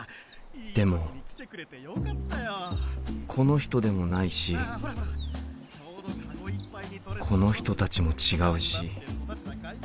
でもこの人でもないしこの人たちも違うし。